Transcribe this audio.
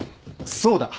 そうだ。